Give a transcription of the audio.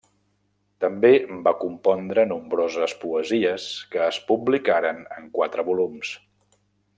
També va compondre nombroses poesies que es publicaren en quatre volums.